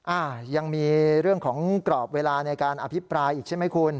อ่ายังมีเรื่องของกรอบเวลาในการอภิปรายอีกใช่ไหมคุณ